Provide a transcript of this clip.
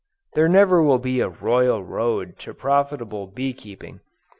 There never will be a "royal road" to profitable bee keeping.